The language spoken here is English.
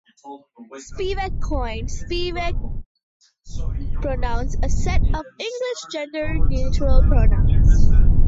Spivak coined Spivak pronouns, a set of English gender-neutral pronouns.